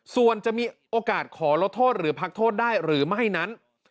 ส่วนจะมีโอกาสขอลดโทษหรือพักโทษได้หรือไม่นั้น